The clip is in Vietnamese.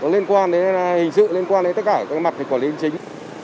liên quan đến hình sự liên quan đến tất cả các mặt hoạt động chính